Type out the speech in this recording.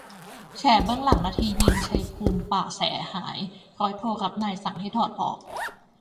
แฉเบื้องหลังนาทียิง "ชัยภูมิ ป่าแส"หาย ร้อยโทรับนายสั่งให้ถอดออก